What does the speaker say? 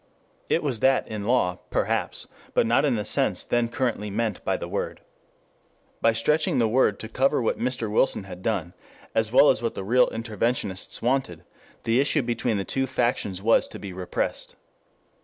It was that in law, perhaps, but not in the sense then currently meant by the word. By stretching the word to cover what Mr. Wilson had done, as well as what the real interventionists wanted, the issue between the two factions was to be repressed.